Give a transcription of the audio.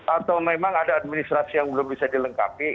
atau memang ada administrasi yang belum bisa dilengkapi